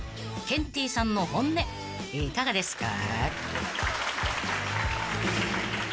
ケンティーさんの本音いかがですか？］